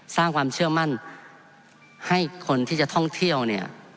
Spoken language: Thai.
สร้างความเชื่อมั่นให้คนที่จะท่องเที่ยวเนี่ย